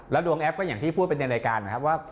ดวงแอปก็อย่างที่พูดไปในรายการนะครับว่า